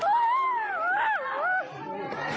มาแล้วอย่าอย่าอย่าอย่าอย่าอย่า